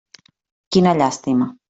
Quina llàstima.